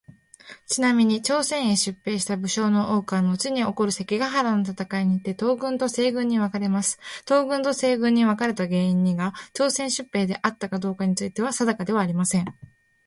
ちなみに、朝鮮へ出兵した武将の多くはのちに起こる関ヶ原の戦いにて東軍と西軍に分かれます。東軍と西軍に分かれた原因にが朝鮮出兵であったかどうかについては定かではありません。